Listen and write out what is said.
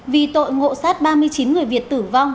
vì tội ngộ sát ba mươi chín người việt tử vong